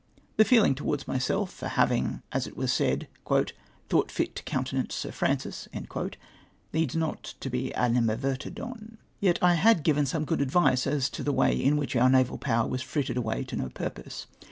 The feelino' towards mvself for havino; — as was said —" thought fit to countenance Sir Francis "— needs not be animadvei'ted on. Yet I had given some good advice as to the way in which oiq' naval power was frittered aAvay to no pui'pose.